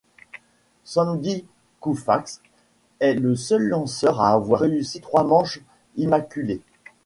Sandy Koufax est le seul lanceur à avoir réussi trois manches immaculées.